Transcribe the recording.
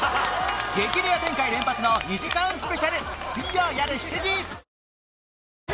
激レア展開連発の２時間スペシャル